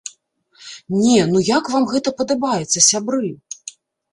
Не, ну як вам гэта падабаецца, сябры?!